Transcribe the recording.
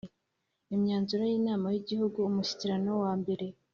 Imyanzuro y inama y Igihugu y Umushyikirano wa mbere